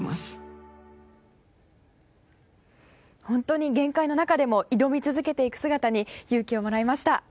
本当に限界の中でも挑み続けていく姿に勇気をもらいました。